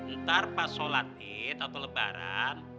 ntar pas sholatit atau lebaran